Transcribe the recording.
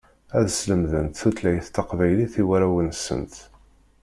Ad slemdent tutlayt taqbaylit i warraw-nsent.